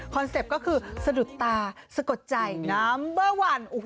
เซ็ปต์ก็คือสะดุดตาสะกดใจน้ำเบอร์วัน